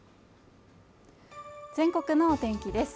全国のお天気です